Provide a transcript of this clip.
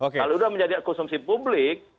kalau sudah menjadi asumsi publik